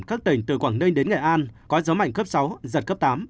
các tỉnh từ quảng ninh đến nghệ an có gió mạnh cấp sáu giật cấp tám